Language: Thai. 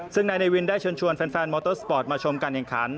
ซึ่งในนายวินได้เชิญแฟนมอเตอร์สปอร์ตมาชมกันอย่างคัน